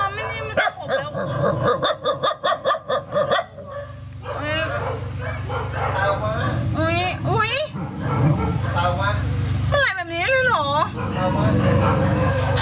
อุ้ยอุ้ยเหมือนแบบนี้เลยหรอทำไมเป็นแบบนี้อ่ะ